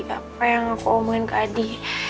apa yang aku omongin ke adi